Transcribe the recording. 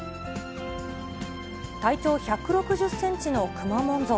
体長１６０センチのくまモン像。